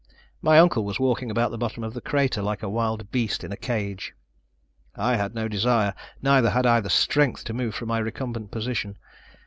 MY uncle was walking about the bottom of the crater like a wild beast in a cage. I had no desire, neither had I the strength, to move from my recumbent position.